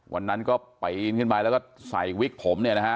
วันนั้นก็ปีนขึ้นไปแล้วก็ใส่วิกผมเนี่ยนะฮะ